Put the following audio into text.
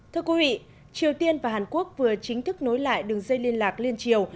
thưa quý vị triều tiên và hàn quốc vừa chính thức nối lại đường dây liên lạc liên triều